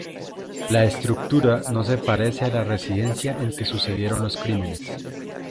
La estructura no se parece a la residencia en que sucedieron los crímenes.